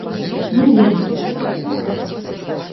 Не ведаю, не фіксаваў.